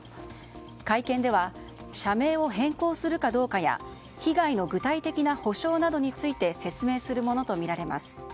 会見では社名を変更するかどうかや被害の具体的な補償について説明するものとみられます。